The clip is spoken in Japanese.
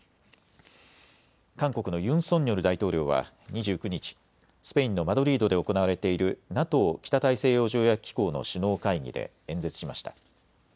韓国のユン・ソンニョル大統領は２９日、スペインのマドリードで行われているＮＡＴＯ・北大西洋条約機構の首脳会議で演説しました。